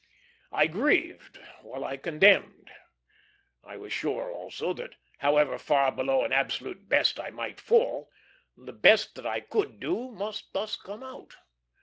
I grieved while I condemned. I was sure also that, however far below an absolute best I might fall, the best that I could do must thus come out.